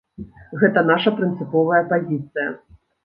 Гэта наша прынцыповая пазіцыя.